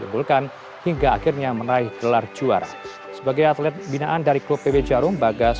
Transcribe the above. dibulkan hingga akhirnya meraih gelar juara sebagai atlet binaan dari klub pb jarum bagas